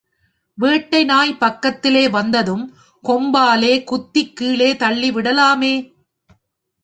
வேட்டை நாய் பக்கத்திலே வந்ததும், கொம்பாலே குத்திக் கீழே தள்ளி விடலாமே!